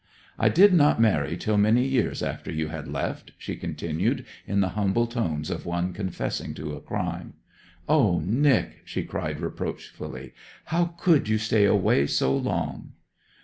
'I did not marry till many years after you had left,' she continued in the humble tones of one confessing to a crime. 'Oh Nic,' she cried reproachfully, 'how could you stay away so long?'